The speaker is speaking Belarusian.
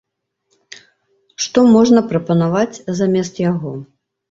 Што можна прапанаваць замест яго?